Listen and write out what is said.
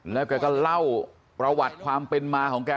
แล้วแกก็เล่าประวัติความเป็นมาของแก